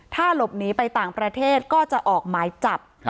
ถ้าหลบหนีไปต่างประเทศก็จะออกหมายจับ